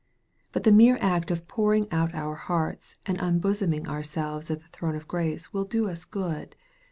But the mere act of pouring out our hearts, and unbosoming our selves at a throne of grace will do us good.